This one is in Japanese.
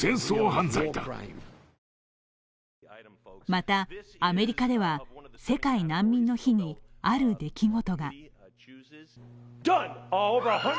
またアメリカでは世界難民の日にある出来事が。